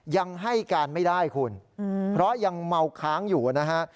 ยังให้การไม่ได้คุณเพราะยังเมาค้างอยู่นะฮะ